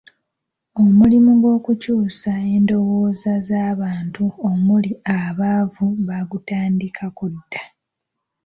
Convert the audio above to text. Omulimu gw’okukyusa endowooza z’abantu omuli abaavu bagutandikako dda.